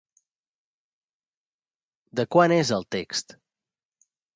De quan és el text?